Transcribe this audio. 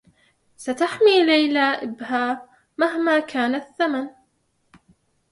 ستحمي ليلى إبها مهما كان الثّمن.